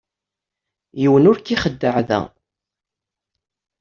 Yiwen ur k-ixeddeɛ da.